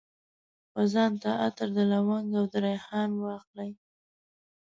وځان ته عطر، د لونګ او دریحان واخلي